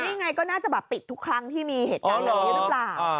นี่ไงก็น่าจะปิดทุกครั้งที่มีเหตุการณ์เหลืออยู่หรือเปล่า